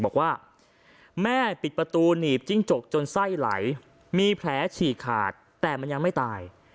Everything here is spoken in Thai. บอกว่าแม่ปิดประตูหนีบจิ้งจกจนไส้ไหลมีแผลฉีกขาดแต่มันยังไม่ตาย